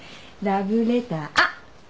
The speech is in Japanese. ラブレター。